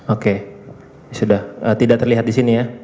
oke sudah tidak terlihat di sini ya